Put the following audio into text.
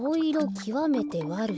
きわめてわるしと。